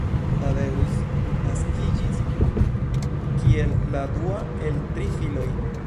Tadeusz naskiĝis kiel la dua el tri filoj.